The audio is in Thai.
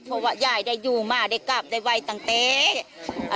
เพราะว่ายายได้อยู่มาได้กลับได้ไวตั้งเต๊ะ